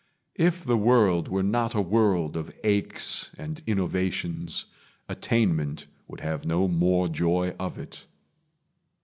If the world Were not a world of aches and innovations, Attainment would have no more joy of it.